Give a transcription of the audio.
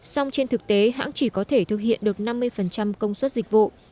song trên thực tế hãng chỉ có thể thực hiện được năm mươi công suất dịch vụ